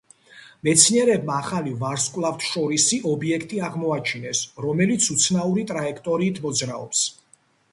მეცნიერებმა ახალი ვარსკვლავთშორისი ობიექტი აღმოაჩინეს, რომელიც უცნაური ტრაექტორიით მოძრაობს.